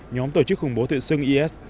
nhóm tổ chức khủng bố thượng sưng is